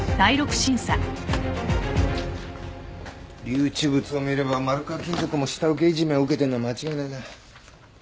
留置物を見れば丸川金属も下請けいじめを受けてんのは間違いないな。